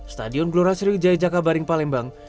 stadion gloras rijai jakabaring palembang